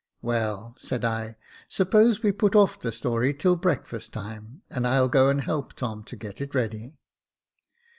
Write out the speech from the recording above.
" Well," said I, " suppose we put oiF the story till break fast time, and I'll go and help Tom to get it ready."